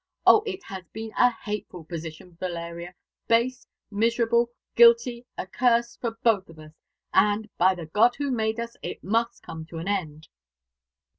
O, it has been a hateful position, Valeria, base, miserable, guilty, accursed, for both of us: and, by the God who made us, it must come to an end."